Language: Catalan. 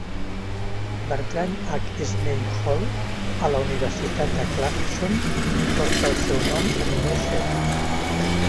Bertrand H. Snell Hall a la Universitat de Clarkson porta el seu nom en honor seu.